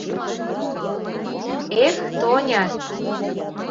— Эх, Тоня!